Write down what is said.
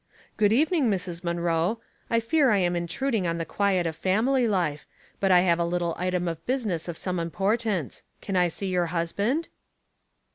" Good evening, Mrs. Munroe. I fear I am intruding on the quiet of family life ; but I have a little item of business of some importance. Can I see your husband